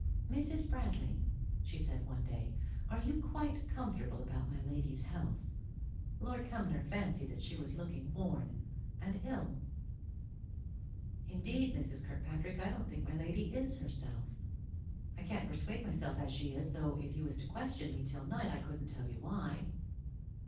"Mrs. Bradley," she said one day, "are you quite comfortable about my lady's health? Lord Cumnor fancied that she was looking worn and ill?" "Indeed, Mrs. Kirkpatrick, I don't think my lady is herself. I can't persuade myself as she is, though if you was to question me till night I couldn't tell you why."